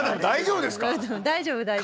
大丈夫大丈夫。